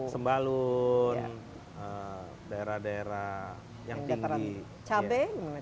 sembalun daerah daerah yang tinggi cabai